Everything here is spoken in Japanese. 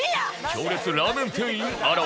強烈ラーメン店員現る！